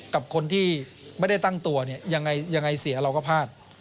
กับคนที่ไม่ได้ตั้งตัวเนี่ยยังไงเสียเราก็พลาด